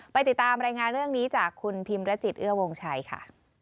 ไปติดตามรายงานเรื่องนี้จากคุณพิมรจิตเอื้อวงชัยค่ะ